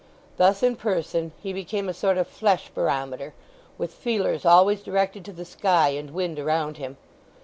Thus in person, he became a sort of flesh barometer, with feelers always directed to the sky and wind around him.